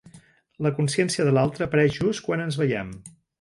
La consciència de l'altre apareix just quan ens veiem.